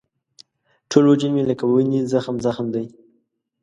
ټول وجود مې لکه ونې زخم زخم دی.